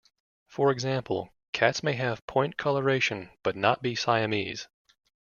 For example, cats may have point coloration, but not be Siamese.